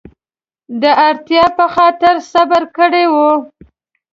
د اړتیا په خاطر صبر کړی و.